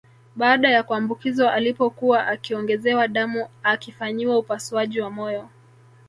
Baada ya kuambukizwa alipokuwa akiongezewa damu akifanyiwa upasuaji wa moyo